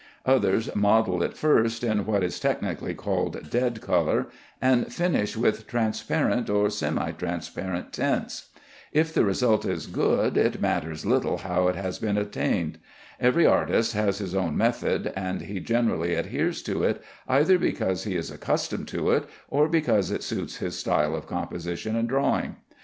Others model it first in what is technically called dead color, and finish with transparent or semi transparent tints. If the result is good, it matters little how it has been obtained. Every artist has his own method, and he generally adheres to it, either because he is accustomed to it, or because it suits his style of composition and drawing.